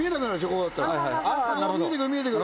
ここだったら見えてくる見えてくる